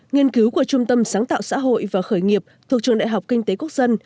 nghiên cứu của trung tâm sáng tạo xã hội và khởi nghiệp thuộc trường đại học kinh tế quốc dân